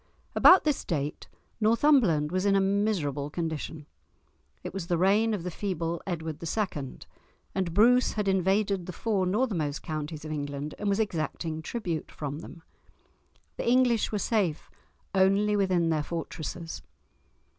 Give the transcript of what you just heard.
About this date Northumberland was in a miserable condition; it was the reign of the feeble Edward II., and Bruce had invaded the four northernmost counties of England, and was exacting tribute from them. The English were safe only within their fortresses.